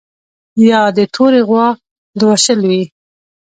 یا د تورې غوا لوشل وي